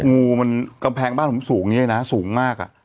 งูมันกำแพงบ้านผมสูงอย่างนี้เลยนะสูงมาก